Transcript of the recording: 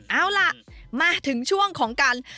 เอาล่ะมาถึงช่วงของการ